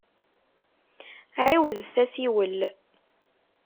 Ɛiwdet asiwel.